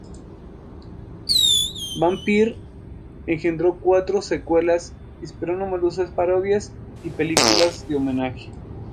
Vampire" engendro cuatro secuelas, inspiró numerosas parodias y películas de homenaje.